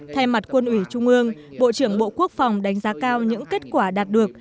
thay mặt quân ủy trung ương bộ trưởng bộ quốc phòng đánh giá cao những kết quả đạt được